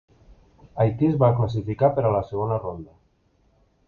Haití es va classificar per a la segona ronda.